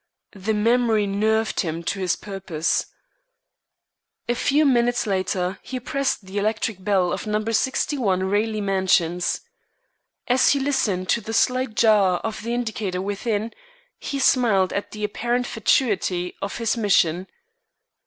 The memory nerved him to his purpose. A few minutes later he pressed the electric bell of No. 61 Raleigh Mansions. As he listened to the slight jar of the indicator within, he smiled at the apparent fatuity of his mission.